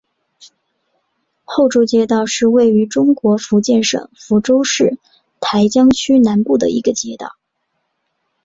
后洲街道是位于中国福建省福州市台江区南部的一个街道。